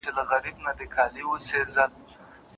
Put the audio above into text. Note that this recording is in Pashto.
ما ځکه ویلي دي چي منظور پښتین